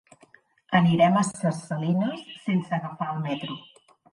Anirem a Ses Salines sense agafar el metro.